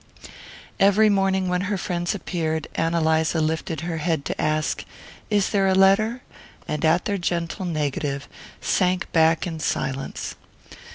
Every morning, when her friends appeared, Ann Eliza lifted her head to ask: "Is there a letter?" and at their gentle negative sank back in silence.